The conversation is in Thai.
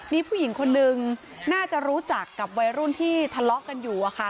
มีผู้หญิงคนนึงน่าจะรู้จักกับวัยรุ่นที่ทะเลาะกันอยู่อะค่ะ